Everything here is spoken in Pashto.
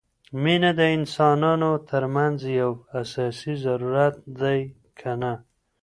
مینه د انسانانو ترمنځ یو اساسي ضرورت دی که نه؟